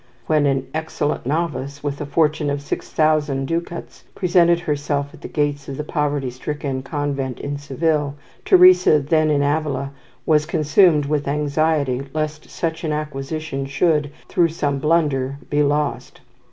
When an "excellent novice" with a fortune of six thousand ducats presented herself at the gates of the poverty stricken convent in Seville, Teresa, then in Avila, was consumed with anxiety lest such an acquisition should, through some blunder, be lost.